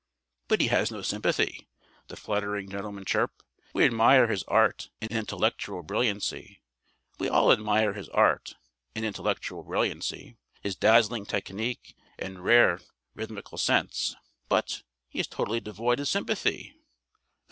"But he has no sympathy," the fluttering gentlemen chirp. "We admire his art and intellectual brilliancy, we all admire his art and intellectual brilliancy, his dazzling technique and rare rhythmical sense; but ... he is totally devoid of sympathy."